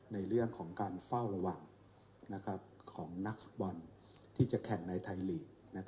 ในเรื่องของการเฝ้าระวังของนักฟุตบอลที่จะแข่งในไทยลีก